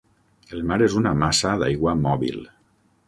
El mar és una massa d'aigua mòbil.